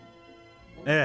ええ。